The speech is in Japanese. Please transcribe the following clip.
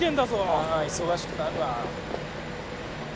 ああ忙しくなるわ。